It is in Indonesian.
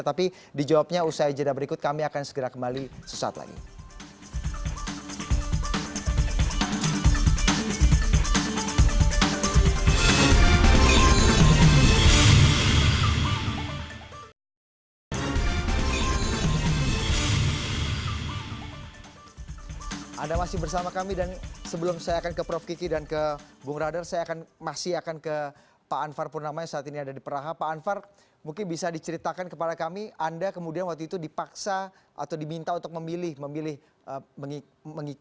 tapi di jawabnya usai jeda berikut kami akan segera kembali sesaat lagi